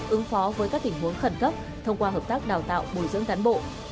ứng phó với các tình huống khẩn cấp thông qua hợp tác đào tạo bồi dưỡng cán bộ